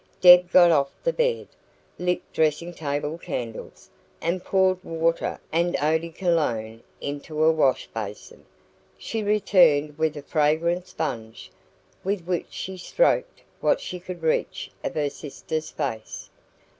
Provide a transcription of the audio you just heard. Deb got off the bed, lit dressing table candles, and poured water and eau de Cologne into a wash basin. She returned with a fragrant sponge, with which she stroked what she could reach of her sister's face.